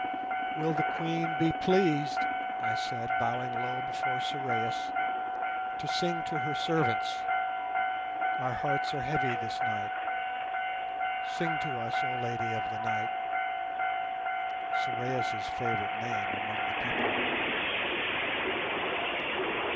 "Will the Queen be pleased," I said, bowing low before Sorais, "to sing to her servants? Our hearts are heavy this night; sing to us, oh Lady of the Night" (Sorais' favourite name among the people).